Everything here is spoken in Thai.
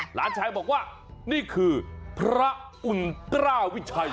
หลานชายบอกว่านี่คือพระอุ่นกล้าวิชัย